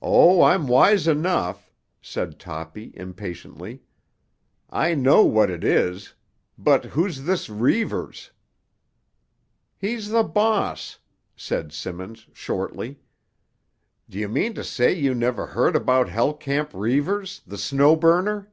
"Oh, I'm wise enough," said Toppy impatiently. "I know what it is. But who's this Reivers?" "He's the boss," said Simmons shortly. "D'you mean to say you never heard about Hell Camp Reivers, the Snow Burner?"